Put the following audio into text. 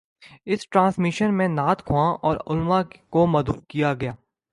اس transmission میں نعت خواں اور علمأ کو مدعو کیا گیا